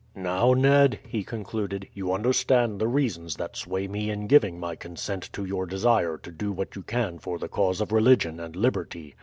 "Now Ned," he concluded, "you understand the reasons that sway me in giving my consent to your desire to do what you can for the cause of religion and liberty.